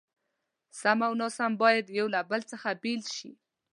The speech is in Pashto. سم او ناسم بايد له يو بل څخه بېل شي.